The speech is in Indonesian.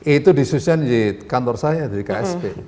itu disusun di kantor saya di ksp